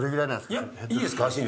いいですか？